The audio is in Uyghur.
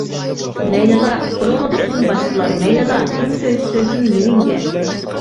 مەيلىلا، قولۇڭنى تۇتسۇن باشقىلار، مەيلىلا، كىم سۆيسە سۆيسۇن لېۋىڭگە.